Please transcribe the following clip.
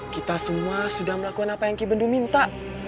kita semua sudah melakukan apa yang ki bendu minta